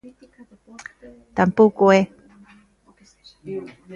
Tampouco é.